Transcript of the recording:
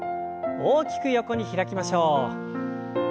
大きく横に開きましょう。